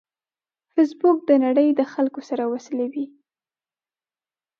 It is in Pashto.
فېسبوک د نړۍ د خلکو سره وصلوي